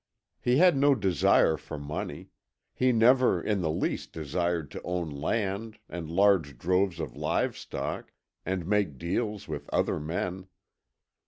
He had no desire for money; he never in the least desired to own land and large droves of livestock and make deals with other men.